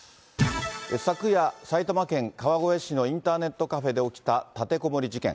昨夜、埼玉県川越市のインターネットカフェで起きた立てこもり事件。